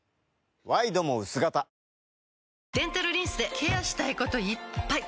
ワイドも薄型デンタルリンスでケアしたいこといっぱい！